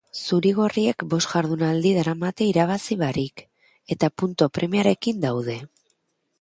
Zuri-gorriek bost jardunaldi daramate irabazi barik eta puntu premiarekin daude.